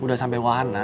udah sampai waktunya